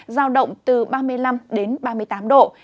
giao động từ ba mươi năm đến ba mươi tám độ